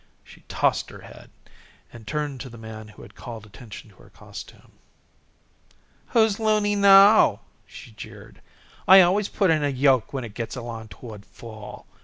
She tossed her head, and turned to the man who had called attention to her costume. "Who's loony now?" she jeered. "I always put in a yoke when it gets along toward fall.